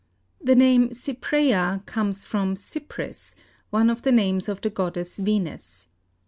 The name Cypraea comes from Cypris, one of the names of the goddess Venus.